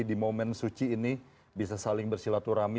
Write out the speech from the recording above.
di momen suci ini bisa saling bersilaturahmi